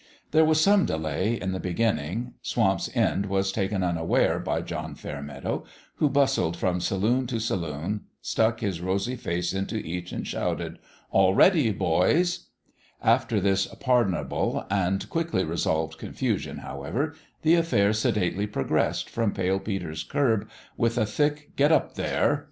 There was some delay, in the begin ning : Swamp's End was taken unaware by John Fairmeadow, who bustled from saloon to saloon, stuck his rosy face into each and shouted, " All ready, boysl" After this pardonable and quickly resolved confusion, however, the affair sedately progressed from Pale Peter's curb, with a thick " Get up, there